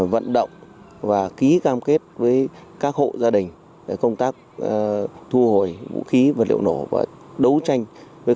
vận động và ký cam kết với các hộ gia đình công tác thu hồi vũ khí vật liệu nổ và đấu tranh với